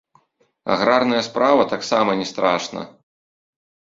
Аграрная справа таксама не страшна.